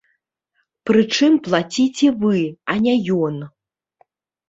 Прычым плаціце вы, а не ён.